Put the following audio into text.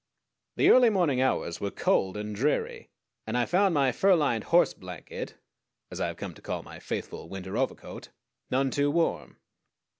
The early morning hours were cold and dreary, and I found my fur lined horse blanket, as I have come to call my faithful winter overcoat, none too warm.